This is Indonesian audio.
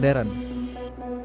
ini juga penyasar pasar modern